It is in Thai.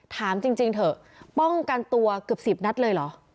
ถามจริงเถอะป้องกันตัวเกือบ๑๐นัดเลยเหรอ